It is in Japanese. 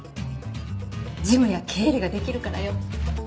事務や経理ができるからよ。